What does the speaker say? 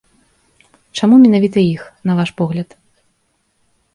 Чаму менавіта іх, на ваш погляд?